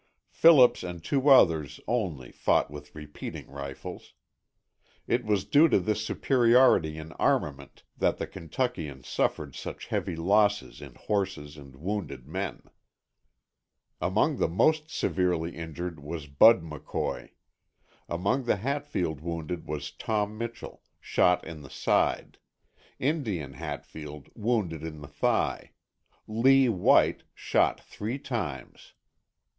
Phillips and two others, only, fought with repeating rifles. It was due to this superiority in armament that the Kentuckians suffered such heavy losses in horses and wounded men. Among the most severely injured was Bud McCoy. Among the Hatfield wounded was Tom Mitchell, shot in the side; "Indian" Hatfield, wounded in the thigh; Lee White, shot three times.